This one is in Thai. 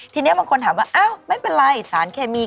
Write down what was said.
ทีนี้บางคนถามว่าเอ้าไม่เป็นไร